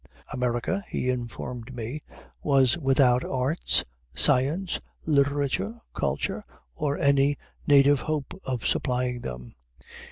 America, he informed me, was without arts, science, literature, culture, or any native hope of supplying them.